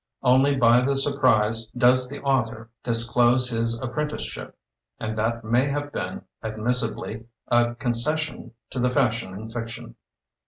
Only by the surprise does the author disclose his apprenticeship, and that may have been, admissibly, a concession to the fashion in fiction.